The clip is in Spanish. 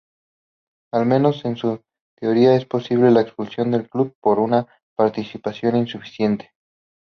Al menos en teoría, es posible la expulsión del club por una participación insuficiente.